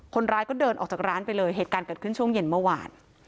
คนร้ายก็เดินออกจากร้านไปเลยเหตุการณ์เกิดขึ้นช่วงเย็นเมื่อวาน